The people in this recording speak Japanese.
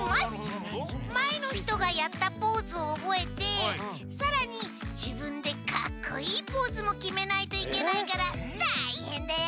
まえのひとがやったポーズをおぼえてさらにじぶんでかっこいいポーズもきめないといけないからたいへんだよ。